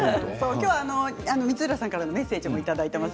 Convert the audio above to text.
今日は光浦さんからのメッセージもいただいています。